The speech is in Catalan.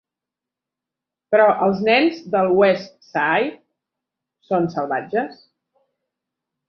Però els nens del West Side... són salvatges.